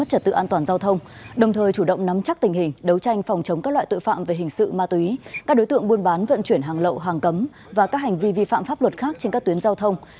hàng lậu hàng cấm và các hành vi vi phạm pháp luật khác trên các tuyến giao thông